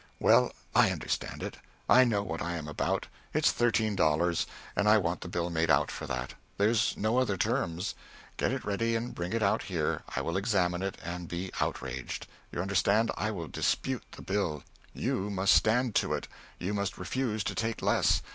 "Well, I understand it. I know what I am about. It's thirteen dollars, and I want the bill made out for that. There's no other terms. Get it ready and bring it out here. I will examine it and be outraged. You understand? I will dispute the bill. You must stand to it. You must refuse to take less.